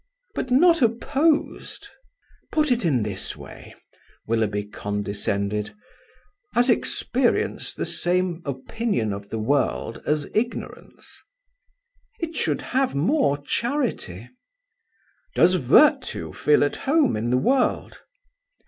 "But not opposed." "Put it in this way," Willoughby condescended. "Has experience the same opinion of the world as ignorance?" "It should have more charity." "Does virtue feel at home in the world?"